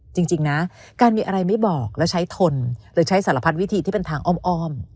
จริงนะการมีอะไรไม่บอกแล้วใช้ทนหรือใช้สารพัดวิธีที่เป็นทางอ้อม